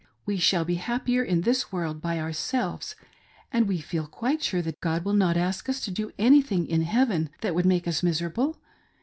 We shall be happi, er in this world by ourselves, and we feel quite sure that God will not ask us to do anything in heaven that would make us miserable.